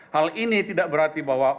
hal ini tidak berarti bahwa